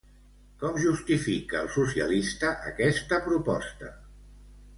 Com justifica el socialista aquesta proposta?